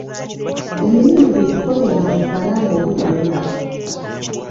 Emirimu gyo gikolenga misana ng'obudde bulaba.